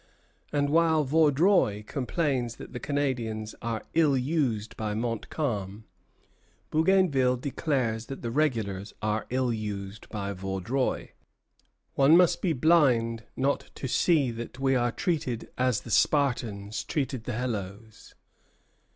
And while Vaudreuil complains that the Canadians are ill used by Montcalm, Bougainville declares that the regulars are ill used by Vaudreuil. "One must be blind not to see that we are treated as the Spartans treated the Helots."